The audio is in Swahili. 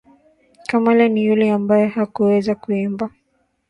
Kamala ni yule ambaye hakuweza kuimba.